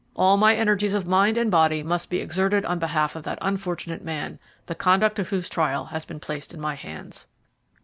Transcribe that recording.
All my energies of mind and body must be exerted on behalf of that unfortunate man, the conduct of whose trial has been placed in my hands."